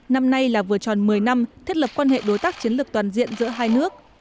năm nay là vừa tròn một mươi năm thiết lập quan hệ đối tác chiến lược toàn diện giữa hai nước